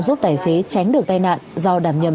giúp tài xế tránh được tai nạn do đảm nhầm